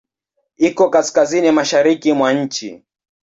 Iko kaskazini-mashariki mwa nchi.